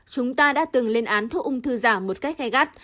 chúng ta đã từng lên án thuốc ung thư giả một cách gai gắt